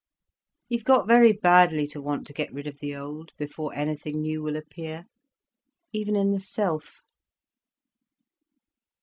You've got very badly to want to get rid of the old, before anything new will appear—even in the self."